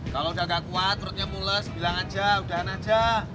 kalau udah gak kuat perutnya mules bilang aja udahan aja